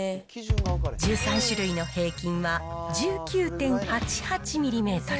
１３種類の平均は、１９．８８ミリメートル。